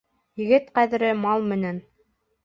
Егет ҡәҙере мал менән.